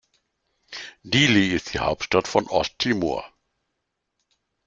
Dili ist die Hauptstadt von Osttimor.